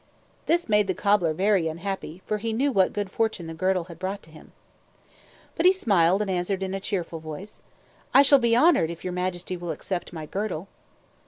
This made the cobbler very unhappy, for he knew what good fortune the girdle had brought to him. But he smiled and answered in a cheerful voice. "I shall be honored, if your majesty will accept my girdle."